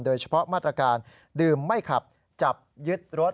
โดยเฉพาะมาตรการดื่มไม่ขับจับยึดรถ